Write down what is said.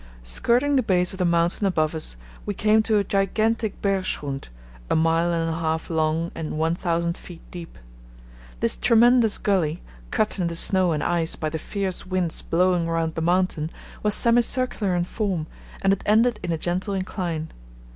Skirting the base of the mountain above us, we came to a gigantic bergschrund, a mile and a half long and 1000 ft. deep. This tremendous gully, cut in the snow and ice by the fierce winds blowing round the mountain, was semicircular in form, and it ended in a gentle incline.